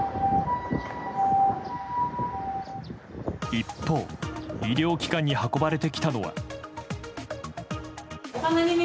一方、医療機関に運ばれてきたのは。